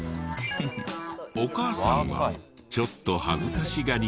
お母さんはちょっと恥ずかしがり屋で。